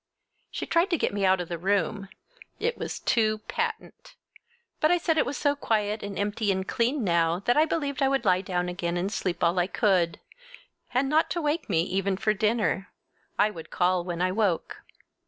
She tried to get me out of the room—it was too patent! But I said it was so quiet and empty and clean now that I believed I would lie down again and sleep all I could; and not to wake me even for dinner—I would call when I woke.